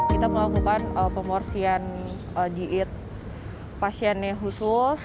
kita melakukan pemorsian diit pasien yang khusus